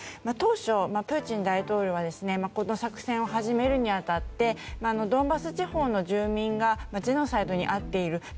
当初、プーチン大統領はこの作戦を始めるにあたってドンバス地方の住民がジェノサイドに遭っている。